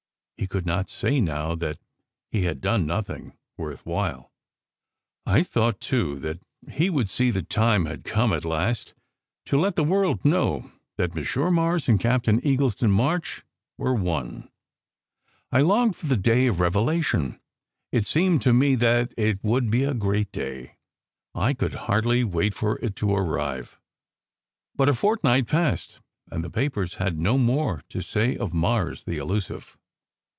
He could not say now that he had done nothing "worth while." I thought, too, that he would see the time had come at last to let the world know that "Monsieur Mars " and Captain Eagleston March were one. I longed for the day of revelation. It seemed to me that it would be a great day. I could hardly wait for it to arrive; but a fortnight passed and the papers had no more to say of "Mars, the elusive."